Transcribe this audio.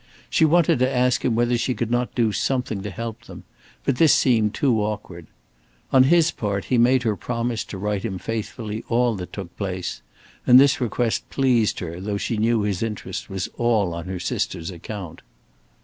She wanted to ask him whether she could not do something to help them, but this seemed too awkward. On his part he made her promise to write him faithfully all that took place, and this request pleased her, though she knew his interest was all on her sister's account.